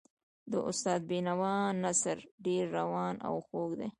د استاد د بینوا نثر ډېر روان او خوږ دی.